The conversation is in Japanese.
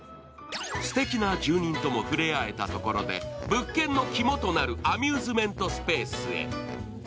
すてきな住人とも触れ合えたところで、物件の肝となるアミューズメントスペースへ。